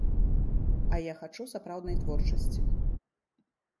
А я хачу сапраўднай творчасці.